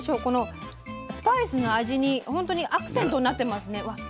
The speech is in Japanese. このスパイスの味に本当にアクセントになってますね。